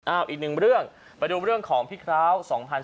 อีกหนึ่งเรื่องไปดูเรื่องของพี่คร้าว๒๐๑๙